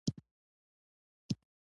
ځينې نابرابرۍ هېوادونو شتمنۍ رشد وکړي.